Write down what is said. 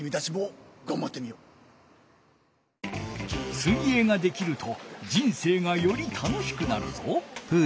水泳ができると人生がより楽しくなるぞ。